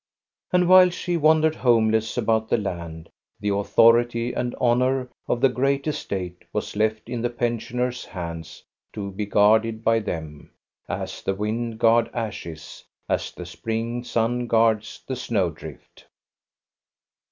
And while she wandered homeless about the land, the authority and honor of the great estate was left in the pension THE OLD VEHICLES lO/ ers' hands to be guarded by them, as the wind guards ashes, as the spring sun guards the snow drift.